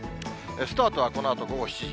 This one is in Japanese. スタートはこのあと午後７時。